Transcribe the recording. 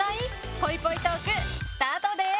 ぽいぽいトークスタートです。